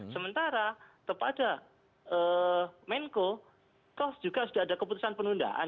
sementara kepada menko toh juga sudah ada keputusan penundaan